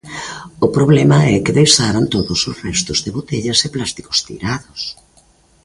O problema é que deixaron todos os restos de botellas e plásticos tirados.